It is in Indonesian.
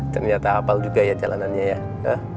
ternyata hafal juga ya jalanannya ya